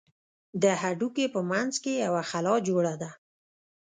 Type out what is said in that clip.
د هډوکي په منځ کښې يوه خلا جوړه ده.